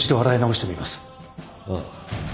ああ。